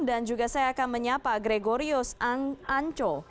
dan juga saya akan menyapa gregorius anco